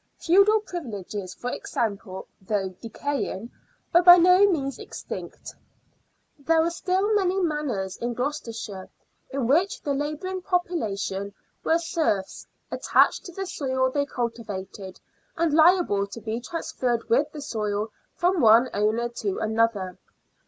Feudal privileges, for example, though decaying, were by no means extinct. There were still many manors in Gloucestershire in which the labouring population were serfs, attached to the soil they cultivated, and liable to be transferred with the soil from one owner to another.